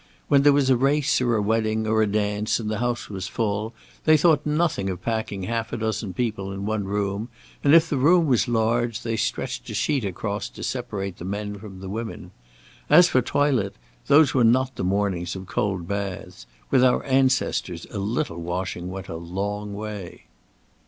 When there was a race or a wedding, or a dance, and the house was full, they thought nothing of packing half a dozen people in one room, and if the room was large, they stretched a sheet a cross to separate the men from the women. As for toilet, those were not the mornings of cold baths. With our ancestors a little washing went a long way."